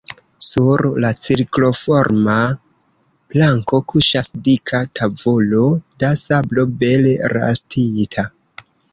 Sur la cirkloforma planko kuŝas dika tavolo da sablo bele rastita.